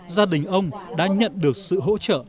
gia đình ông đã nhận được sự hỗ trợ